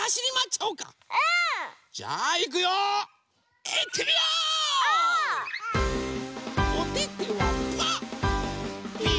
おててはパー。